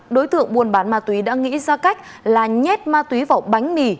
đối tượng buôn bán ma túy đã nghĩ ra cách là nhét ma túy vào bánh mì